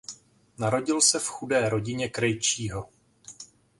Narodil se v chudé rodině krejčího.